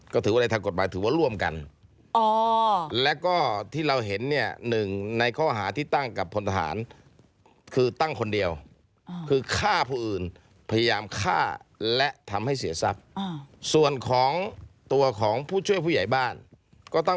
ก็ถือว่าได้ทำกฎบาลแสดงถือว่าร่วมกัน